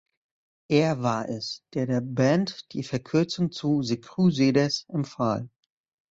Er war es, der der Band die Verkürzung zu "The Crusaders" empfahl.